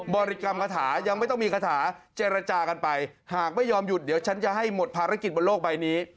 บริกรรมคาถายังไม่ต้องมีคาถาเจรจากันไปหากไม่ยอมหยุดเดี๋ยวฉันจะให้หมดภารกิจบนโลกใบนี้